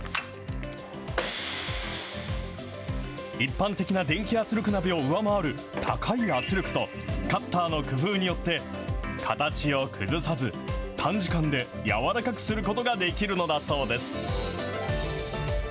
一般的な電気圧力鍋を上回る高い圧力と、カッターの工夫によって、形を崩さず、短時間で軟らかくすることができるのだそうです。